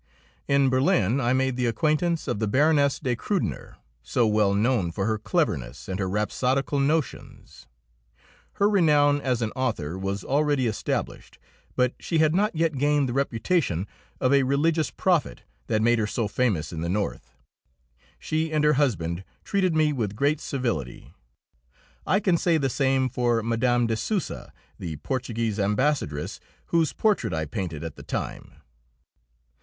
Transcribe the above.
In Berlin I made the acquaintance of the Baroness de Krudener, so well known for her cleverness and her rhapsodical notions. Her renown as an author was already established, but she had not yet gained the reputation of a religious prophet that made her so famous in the North. She and her husband treated me with great civility. I can say the same for Mme. de Souza, the Portuguese Ambassadress, whose portrait I painted at the time.